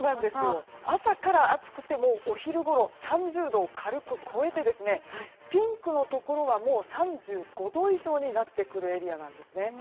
朝から暑くてお昼ごろ３０度を軽く超えてピンクのところは３５度以上になってくるエリアなんです。